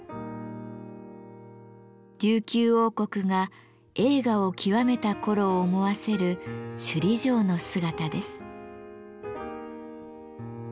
琉球王国が栄華を極めた頃を思わせる首里城の姿です。